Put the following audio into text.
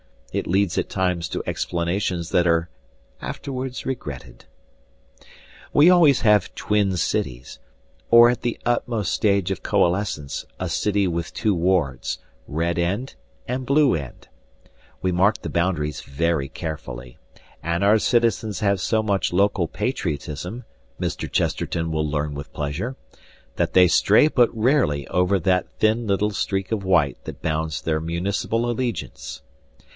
It leads at times to explanations that are afterwards regretted. We always have twin cities, or at the utmost stage of coalescence a city with two wards, Red End and Blue End; we mark the boundaries very carefully, and our citizens have so much local patriotism (Mr. Chesterton will learn with pleasure) that they stray but rarely over that thin little streak of white that bounds their municipal allegiance.